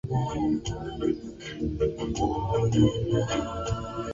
Uganda ilikuwa inajiandaa na hali yoyote yenye itakayojitokeza ikiwa na mpango.